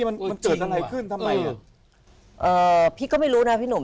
มันเจิดทางไหนขึ้นทำไมเออพี่ก็ไม่รู้นะพี่หนุ่ม